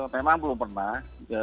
memang belum pernah